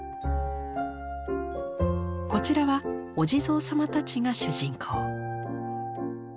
こちらはお地蔵さまたちが主人公。